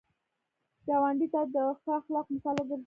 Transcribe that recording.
ګاونډي ته د ښه اخلاقو مثال وګرځه